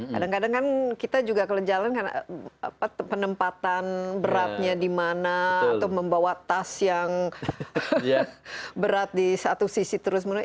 kadang kadang kan kita juga kalau jalan kan penempatan beratnya di mana atau membawa tas yang berat di satu sisi terus menerus